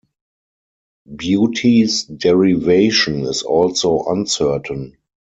Bute's derivation is also uncertain.